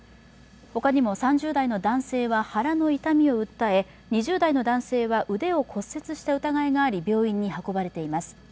他にも３０代の男性は腹の痛みを訴え、２０代の男性は腕を骨折した疑いがあり、病院に運ばれています。